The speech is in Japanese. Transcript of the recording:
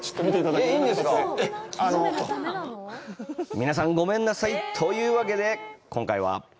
皆さん、ごめんなさい！というわけで、今回は。